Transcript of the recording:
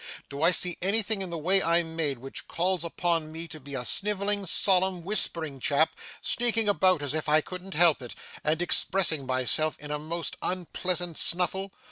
Do I see anything in the way I'm made, which calls upon me to be a snivelling, solemn, whispering chap, sneaking about as if I couldn't help it, and expressing myself in a most unpleasant snuffle?